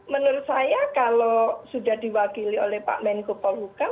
menurut saya kalau sudah diwakili oleh pak menko polhukam